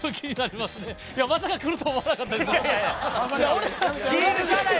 まさか来るとは思わなかったので。